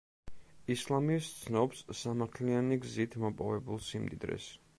ისლამი სცნობს სამართლიანი გზით მოპოვებულ სიმდიდრეს.